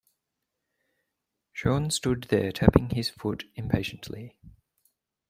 Sean stood there tapping his foot impatiently.